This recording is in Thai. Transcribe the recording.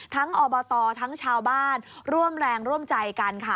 อบตทั้งชาวบ้านร่วมแรงร่วมใจกันค่ะ